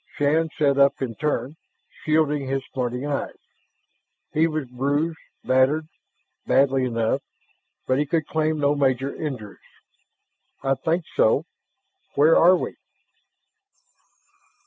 Shann sat up in turn, shielding his smarting eyes. He was bruised, battered badly enough, but he could claim no major injuries. "I think so. Where are we?"